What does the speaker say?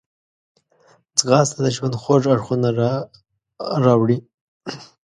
ځغاسته د ژوند خوږ اړخونه راوړي